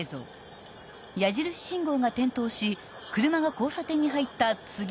［矢印信号が点灯し車が交差点に入った次の瞬間］